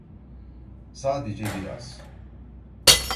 Sadece biraz…